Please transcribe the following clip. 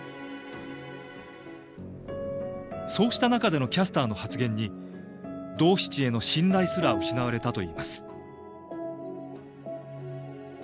そうした中でのキャスターの発言に「ドーシチ」への信頼すら失われたといいます。